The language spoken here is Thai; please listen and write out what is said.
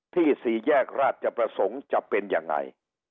สี่แยกราชประสงค์จะเป็นยังไง